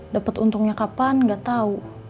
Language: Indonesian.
dapet untungnya kapan gak tau